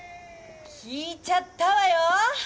聞いちゃったわよ。